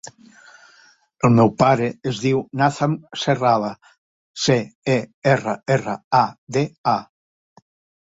El meu pare es diu Nathan Cerrada: ce, e, erra, erra, a, de, a.